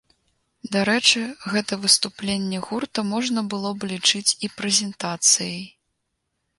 Дарэчы, гэта выступленне гурта можна было б лічыць і прэзентацыяй.